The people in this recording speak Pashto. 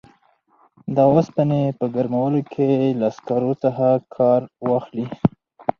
د اوسپنې په ګرمولو کې له سکرو څخه کار واخلي.